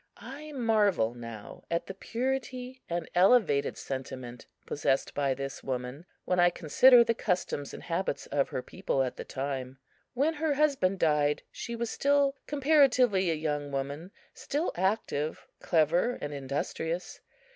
I marvel now at the purity and elevated sentiment possessed by this woman, when I consider the customs and habits of her people at the time. When her husband died she was still comparatively a young woman still active, clever and industrious.